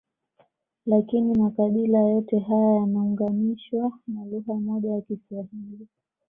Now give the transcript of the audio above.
Lakini makabila yote haya yanaunganishwa na lugha moja ya Kiswahili